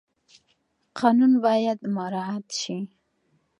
قانون باید مراعات شي.